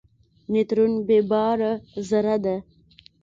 نیوترون بېباره ذره ده.